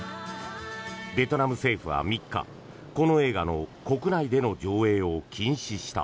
ベトナム政府は３日、この映画の国内での上映を禁止した。